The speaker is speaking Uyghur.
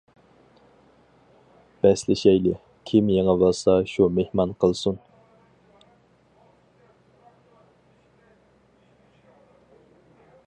بەسلىشەيلى، كىم يېڭىۋالسا شۇ مېھمان قىلسۇن.